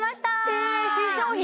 ええ新商品？